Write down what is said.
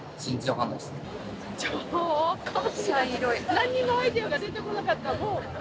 なんにもアイデアが出てこなかった。